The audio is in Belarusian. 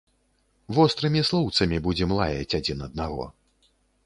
Вострымі слоўцамі будзем лаяць адзін аднаго.